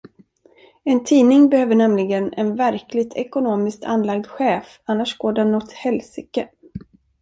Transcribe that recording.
En tidning behöver nämligen en verkligt ekonomiskt anlagd chef, annars går den åt helsike.